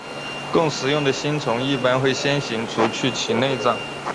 供食用的星虫一般会先行除去其内脏。